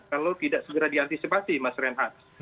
kalau tidak segera diantisipasi mas reinhardt